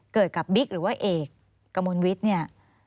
เกิดกับบิ๊กหรือว่าเอกกระมวลวิทย์เนี่ย